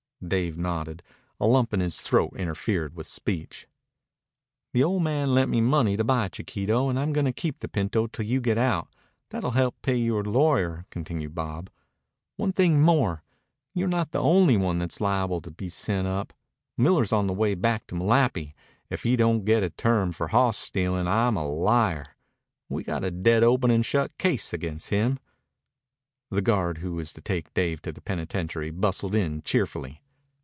Dave nodded. A lump in his throat interfered with speech. "The ol' man lent me money to buy Chiquito, and I'm gonna keep the pinto till you get out. That'll help pay yore lawyer," continued Bob. "One thing more. You're not the only one that's liable to be sent up. Miller's on the way back to Malapi. If he don't get a term for hawss stealin', I'm a liar. We got a dead open and shut case against him." The guard who was to take Dave to the penitentiary bustled in cheerfully.